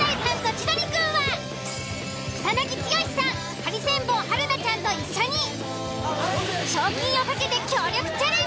ハリセンボン春菜ちゃんと一緒に賞金を懸けて協力チャレンジ。